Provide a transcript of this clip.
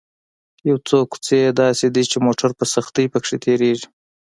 یو څو کوڅې یې داسې دي چې موټر په سختۍ په کې تېرېږي.